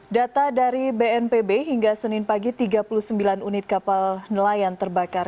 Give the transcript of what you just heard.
data dari bnpb hingga senin pagi tiga puluh sembilan unit kapal nelayan terbakar